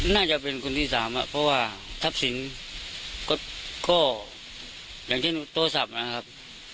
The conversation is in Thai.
น่าจะเป็นคนที่สามเพราะว่าทรัพย์สินก็อย่างเช่นโทรศัพท์นะครับ